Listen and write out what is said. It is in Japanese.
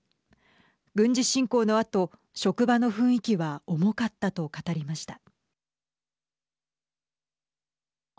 軍事侵攻のあと職場の雰囲気は重かったと語りました。